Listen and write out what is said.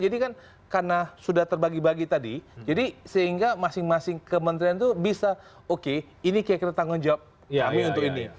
jadi kan karena sudah terbagi bagi tadi jadi sehingga masing masing kementerian itu bisa oke ini kayak kita tanggung jawab kami untuk ini